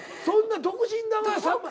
そんな「独身だ」は。